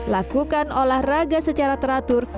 lakukan olahraga secara teratur